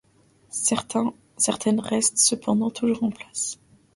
Certaines restent cependant toujours en place.